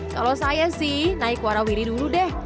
kalau saya sih naik warawiri dulu deh